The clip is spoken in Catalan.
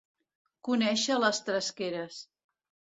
Conèixer les tresqueres.